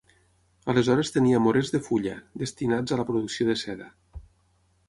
Aleshores tenia morers de fulla, destinats a la producció de seda.